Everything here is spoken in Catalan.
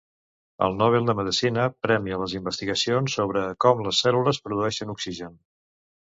El Nobel de medicina premia les investigacions sobre com les cèl·lules produeixen oxigen.